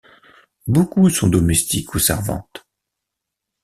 Beaucoup sont domestiques ou servantes.